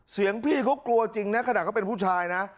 พี่เขากลัวจริงนะขนาดเขาเป็นผู้ชายนะ